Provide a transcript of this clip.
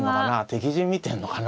敵陣見てんのかな。